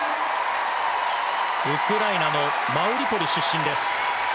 ウクライナのマリウポリ出身です。